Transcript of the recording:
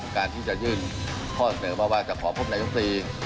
การที่จะยื่นข้อเสนอมาว่าจะขอพบนายกตรี